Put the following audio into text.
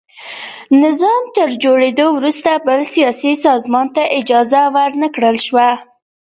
نظام تر جوړېدو وروسته بل سیاسي سازمان ته اجازه ور نه کړل شوه.